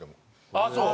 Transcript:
ああそう？